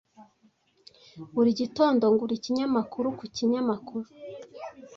Buri gitondo ngura ikinyamakuru ku kinyamakuru.